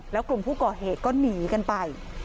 แล้วกลุ่มผู้ก่อเหตุก็หนีกันไป